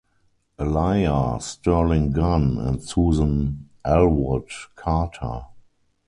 Elijah Sterling Gunn and Susan Ellwood Carter.